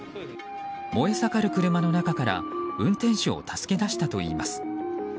燃え盛る車の中から運転手を助け出したといいます。